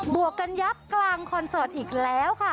วกกันยับกลางคอนเสิร์ตอีกแล้วค่ะ